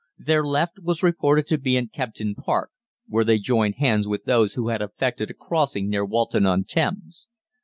"Their left was reported to be at Kempton Park, where they joined hands with those who had effected a crossing near Walton on Thames.